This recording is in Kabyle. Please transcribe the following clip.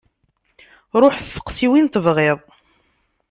Ruḥ steqsi win tebɣiḍ!